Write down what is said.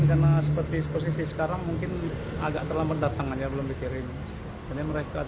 karena seperti posisi sekarang mungkin agak terlambat datang aja belum dikirim dan mereka